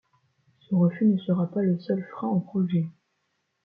Ce refus ne sera pas le seul frein au projet.